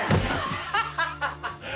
ハハハハッ！